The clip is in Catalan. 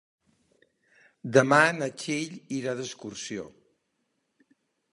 Demà na Txell irà d'excursió.